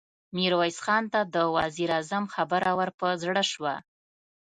ميرويس خان ته د وزير اعظم خبره ور په زړه شوه.